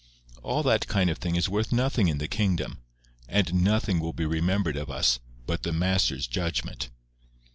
All that kind of thing is worth nothing in the kingdom; and nothing will be remembered of us but the Master's judgment.